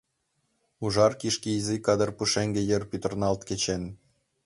Ужар кишке изи кадыр пушеҥге йыр пӱтырналт кечен.